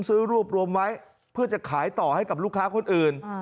ซื้อรวบรวมไว้เพื่อจะขายต่อให้กับลูกค้าคนอื่น